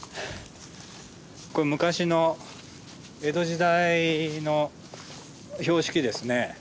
これ昔の江戸時代の標識ですね。